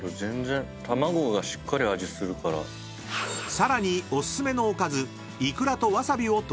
［さらにお薦めのおかず］